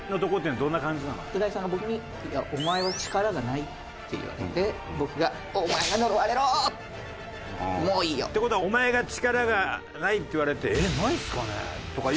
う大さんが僕に「お前は力がない」って言われて僕が「お前が呪われろ！もういいよ！」。っていう事は「お前は力がない」って言われて「えっ？ないっすかね？」とか。